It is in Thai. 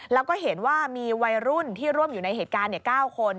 แล้วก็เห็นว่ามีวัยรุ่นที่ร่วมอยู่ในเหตุการณ์๙คน